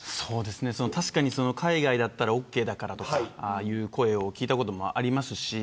確かに海外だったらオーケーだからという声を聞いたこともありますし。